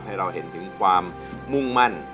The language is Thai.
ให้เราเห็นถึงความมุ่งมั่น